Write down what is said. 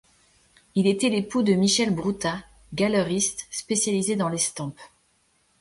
Il était l'époux de Michèle Broutta, galeriste spécialisée dans l'estampe.